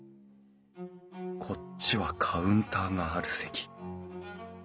こっちはカウンターがある席。